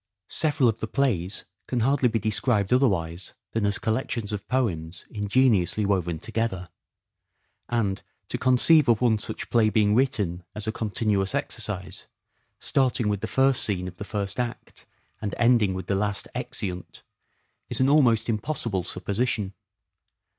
Several of the plays can hardly be described otherwise than as collections of poems ingeniously woven together ; and, to conceive of one such play being written as a continuous exercise, starting with the first scene of the first act, and ending with the last " exeunt," is an almost impossible supposition.